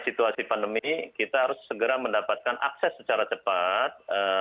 situasi pandemi kita harus segera mendapatkan akses secara cepat